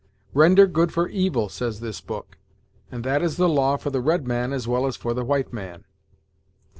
'Render good for evil,' says this book, and that is the law for the red man as well as for the white man."